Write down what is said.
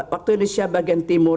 waktu indonesia bagian timur